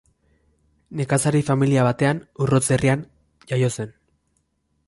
Nekazari familia batean Urrotz herrian jaio zen.